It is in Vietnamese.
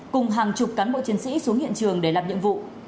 cùng hàng chục cán bộ chiến sĩ xuống hiện trường để làm nhiệm vụ